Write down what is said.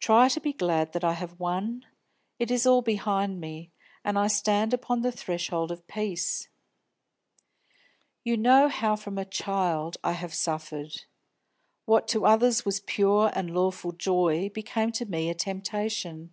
Try to be glad that I have won; it is all behind me, and I stand upon the threshold of peace. "You know how from a child I have suffered. What to others was pure and lawful joy became to me a temptation.